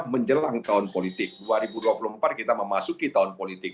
dua ribu dua puluh tiga menjelang tahun politik dua ribu dua puluh empat kita memasuki tahun politik